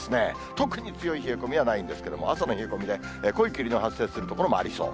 特に強い冷え込みはないんですけれども、朝の冷え込みで、濃い霧の発生する所もありそう。